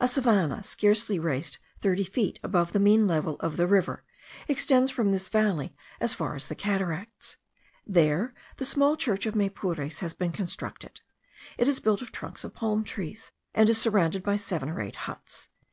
A savannah, scarcely raised thirty feet above the mean level of the river, extends from this valley as far as the cataracts. There the small church of Maypures has been constructed. It is built of trunks of palm trees, and is surrounded by seven or eight huts.